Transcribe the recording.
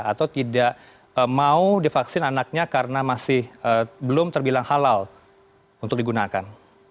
atau tidak mau divaksin anaknya karena masih belum terbilang halal untuk digunakan